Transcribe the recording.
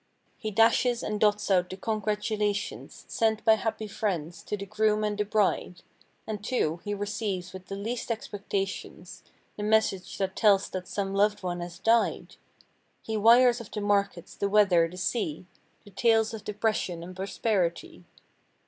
He dashes and dots out the congratulations Sent by happy friends to the groom and the bride. And, too, he receives with the least expectations The message that tells that some loved one has died He wires of the markets, the weather, the sea— The tales of depression and prosperity.